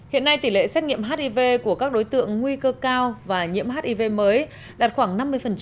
hiện nay tỷ lệ xét nghiệm hiv của các đối tượng nguy cơ cao và nhiễm hiv mới đạt khoảng năm mươi